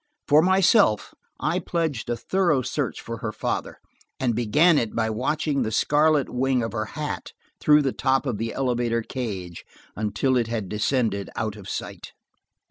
For myself, I pledged a thorough search for her father, and began it by watching the scarlet wing on her hat through the top of the elevator cage until it had descended out of sight.